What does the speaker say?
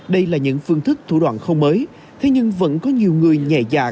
đây là những phương thức thủ đoạn không mới thế nhưng vẫn có nhiều người nhẹ dạ